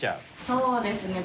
そうですね。